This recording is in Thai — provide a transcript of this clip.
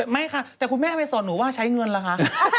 ไม่ค่ะแต่คุณแม่ทำไมสอนหนูว่าใช้เงินล่ะคะ